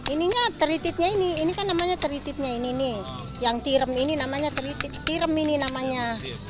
ininya teritiknya ini ini kan namanya teritiknya ini nih yang tirem ini namanya teritik tirem ini namanya dibersihin